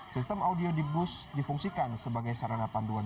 sistem audio di bus difungsikan sebagai sarana panduan